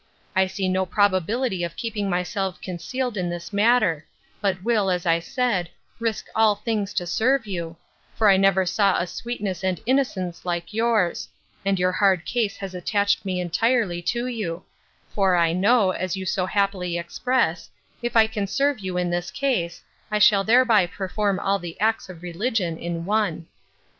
I see no probability of keeping myself concealed in this matter; but will, as I said, risk all things to serve you; for I never saw a sweetness and innocence like yours; and your hard case has attached me entirely to you; for I know, as you so happily express, if I can serve you in this case, I shall thereby perform all the acts of religion in one.